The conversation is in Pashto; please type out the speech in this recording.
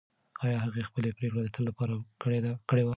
ایا هغې خپله پرېکړه د تل لپاره کړې وه؟